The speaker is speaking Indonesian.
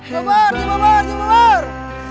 cibubur cibubur cibubur